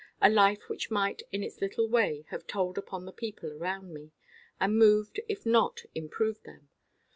A life which might, in its little way, have told upon the people round me, and moved, if not improved them.